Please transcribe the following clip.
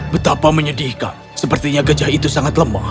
betapa menyedihkan sepertinya gejah itu sangat lemah